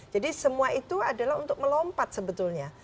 jadi semua itu adalah untuk melompat sebetulnya